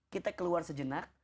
kita keluar sejenak